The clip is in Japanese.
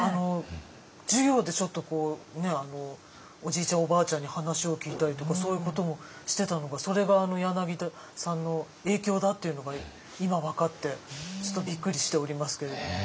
授業でちょっとこうおじいちゃんおばあちゃんに話を聞いたりとかそういうこともしてたのがそれが柳田さんの影響だっていうのが今分かってちょっとびっくりしておりますけれど。